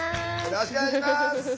よろしくお願いします。